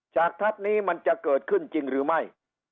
ทัพนี้มันจะเกิดขึ้นจริงหรือไม่